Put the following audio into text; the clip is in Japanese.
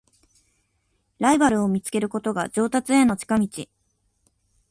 ライバルを見つけることが上達への近道